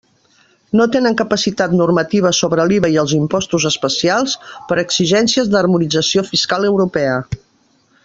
No tenen capacitat normativa sobre l'IVA i els impostos especials, per exigències d'harmonització fiscal europea.